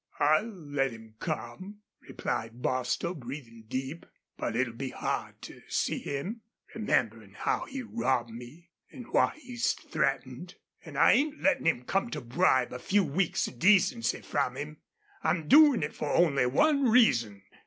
"I'll let him come," replied Bostil, breathing deep. "But it'll be hard to see him, rememberin' how he's robbed me, an' what he's threatened. An' I ain't lettin' him come to bribe a few weeks' decency from him. I'm doin' it for only one reason....